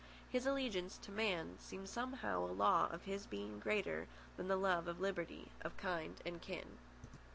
His allegiance to man seemed somehow a law of his being greater than the love of liberty, of kind and kin.